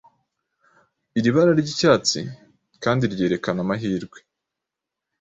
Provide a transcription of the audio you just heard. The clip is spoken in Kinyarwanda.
Iri bara ry’ icyatsi kandi ryerekana amahirwe